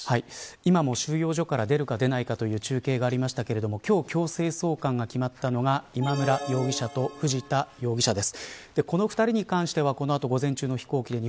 今も収容所から出るか出ないかという中継がありましたが今日、強制送還が決まったのが今村容疑者と藤田容疑者です。